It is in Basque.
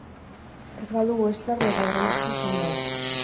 Ez galdu western eta dramazko filma hau!